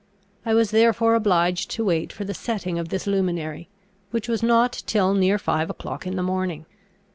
I was therefore obliged to wait for the setting of this luminary, which was not till near five o'clock in the morning.